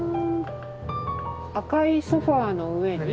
赤いソファーの上に。